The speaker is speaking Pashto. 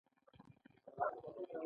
دغه پانګه چې بېکاره پرته ده ګټه نلري